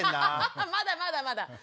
まだまだまだ。